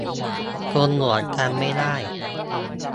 คนเหมือนกัน ไม่ได้